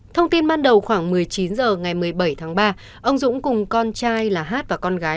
thông tin ban đầu khoảng một mươi chín h ngày một mươi bảy tháng ba ông dũng cùng con trai là hát và con gái